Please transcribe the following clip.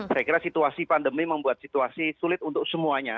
saya kira situasi pandemi membuat situasi sulit untuk semuanya